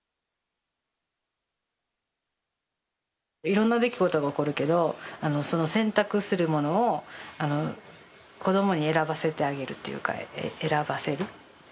色んな出来事が起こるけどその選択するものを子どもに選ばせてあげるというか選ばせる。